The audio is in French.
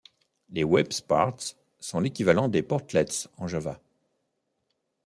Les Web parts sont l'équivalent des Portlets en Java.